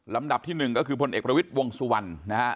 ดับที่๑ก็คือพลเอกประวิทย์วงสุวรรณนะฮะ